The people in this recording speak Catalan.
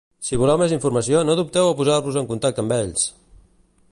Si voleu més informació no dubteu en posar-vos en contacte amb ells!